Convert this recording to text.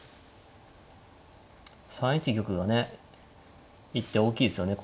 ３一玉がね一手大きいですよね。